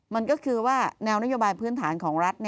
มันก็คือว่าแนวนโยบายพื้นฐานของรัฐ